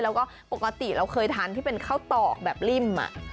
แล้วก็ปกติเราเคยทานที่เป็นข้าวตอกแบบริ่ม